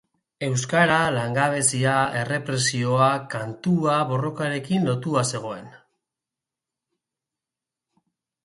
Euskara, langabezia, errepresioa... Kantua borrokarekin lotua zegoen.